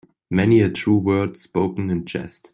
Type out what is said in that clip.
Many a true word spoken in jest.